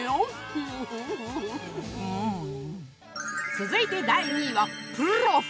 続いて第２位は「プロフ」！